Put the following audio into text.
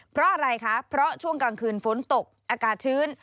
เพราะอะไรคะเพราะช่วงกลางคืนฝนตกอากาศชื้น